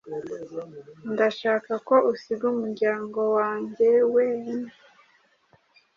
Ndashaka ko usiga umuryango wanjye weine.